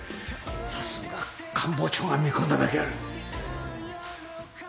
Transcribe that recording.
さすが官房長が見込んだだけある。